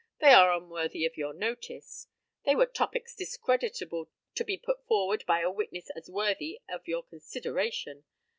They are unworthy of your notice. They were topics discreditable to be put forward by a witness as worthy of your consideration.